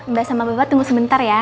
mbak sama bapak tunggu sebentar ya